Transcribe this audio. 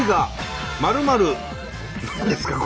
何ですか？